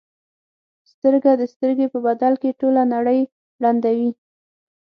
سترګه د سترګې په بدل کې ټوله نړۍ ړندوي.